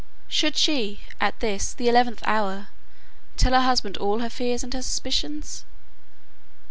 Should she, at this, the eleventh hour, tell her husband all her fears and her suspicions?